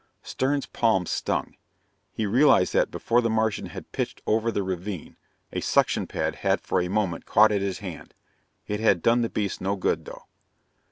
Stern's palm stung. He realized that, before the Martian had pitched over the ravine, a suction pad had for a moment caught at his hand. It had done the beast no good, though.